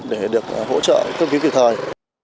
để được hỗ trợ cấp cứu kịp thời